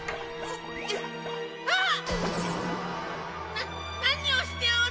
ななにをしておる！？